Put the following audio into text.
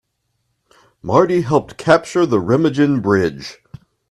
Marty helped capture the Remagen Bridge.